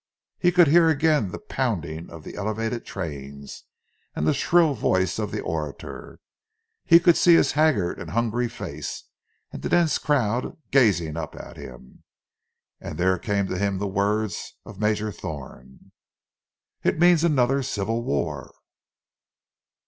He could hear again the pounding of the elevated trains, and the shrill voice of the orator; he could see his haggard and hungry face, and the dense crowd gazing up at him. And there came to him the words of Major Thorne: "It means another civil war!"